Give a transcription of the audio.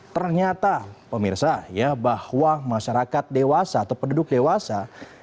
ternyata pemirsa ya bahwa masyarakat dewasa atau penduduk dewasa